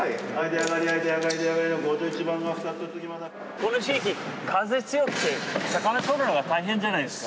この地域風強くて魚取るのが大変じゃないですか？